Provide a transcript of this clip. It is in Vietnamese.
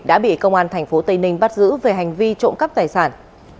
đã bị công an tp tây ninh bắt giữ về hành vi trộm cắp tài sản